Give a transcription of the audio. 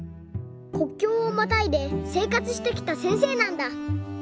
こっきょうをまたいでせいかつしてきたせんせいなんだ。